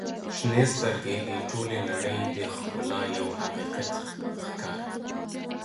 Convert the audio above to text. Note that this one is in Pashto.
• شنې سترګې د ټولې نړۍ د ښکلا یوه حقیقت ښکاري.